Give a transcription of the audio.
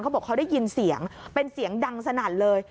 บอกเขาได้ยินเสียงเป็นเสียงดังสนั่นเลย